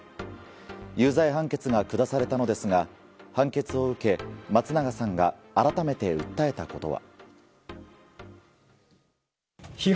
有罪判決が下されたのですが判決を受け、松永さんが改めて訴えたことは。